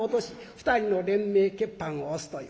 ２人の連名血判を押すという。